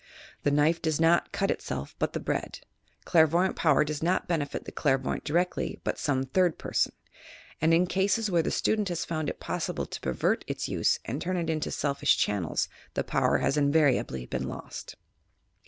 The knife does not cut it self, but the bread. Clairvoyant power does not benefit the clairvoyant directly, but some third person, and, in cases where the student has found it possible to per vert its use and turn it into selfish cbanuels, the power has invariably been lost.